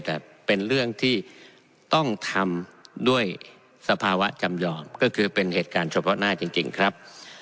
แต่เป็นเรื่องที่ต้องทำด้วยสภาวะจำยอมก็คือเป็นเหตุการณ์เฉพาะหน้าจริงครับ